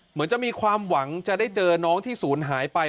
เหมือนจะมีความหวังจะได้เจอน้องที่ศูนย์หายไป